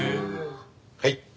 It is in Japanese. はい。